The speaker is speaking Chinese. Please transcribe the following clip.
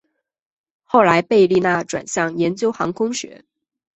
后来贝利纳转向研究航空学。